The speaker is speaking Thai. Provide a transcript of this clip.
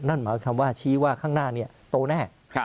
นั่นหมายความว่าชี้ว่าข้างหน้านี้โตแน่